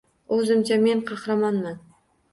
O‘zimcha men qahramonman.